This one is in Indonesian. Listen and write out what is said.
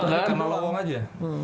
udah itu kan lowong aja